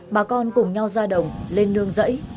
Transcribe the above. bà con cùng nhau ra đồng lên nương dãy